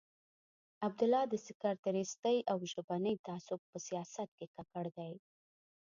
عبدالله د سکتریستي او ژبني تعصب په سیاست کې ککړ دی.